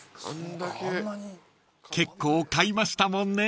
［結構買いましたもんね］